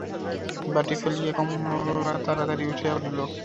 বঁটি ফেলিয়া কমলা তাড়াতাড়ি উঠিয়া পড়িল।